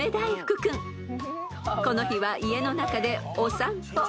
［この日は家の中でお散歩］